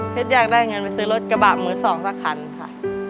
อยากได้เงินไปซื้อรถกระบะมือสองสักคันค่ะ